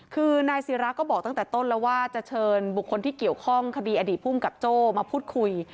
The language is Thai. คือนายศิราก็บอกตั้งแต่ต้นแล้วว่าจะเชิญบุคคลที่เกี่ยวข้องคดีอดีตภูมิกับโจ้มาพูดคุย